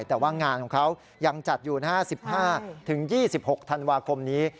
แต่ว่างานของเขายังจัดอยู่นะฮะ๑๕๒๖ธันวาคมนี้